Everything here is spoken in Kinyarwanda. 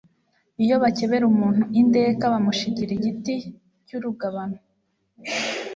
iyo bakebera umuntu indeka bamushigira igiti cy'urugabano